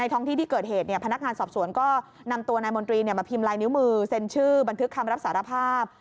ตัวนายมนตรีมาพิมพ์ไลน์นิ้วมือเซ็นชื่อบันทึกคำรับสารภาพ